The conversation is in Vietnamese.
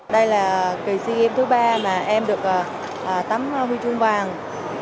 đây là kỳ sea games thứ ba mà em được tấm huy chương vàng